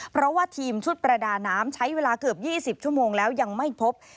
เพราะว่าทีมชุดประดาน้ำใช้เวลาเกือบ๒๐ชั่วโมงแล้วยังไม่พบ